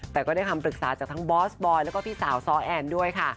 แต่ก็ได้คำปรึกษาจากทั้งบอสบอยแล้วก็พี่สาวซ้อแอนด้วยค่ะ